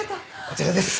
こちらです。